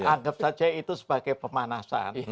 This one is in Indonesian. anggap saja itu sebagai pemanasan